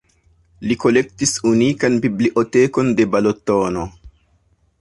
Li kolektis unikan bibliotekon de Balatono.